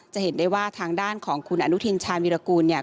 จะเห็นได้ว่าทางด้านของคุณอนุทินชาญวิรากูลเนี่ย